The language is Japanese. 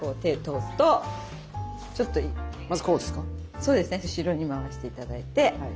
そうですね後ろに回して頂いて。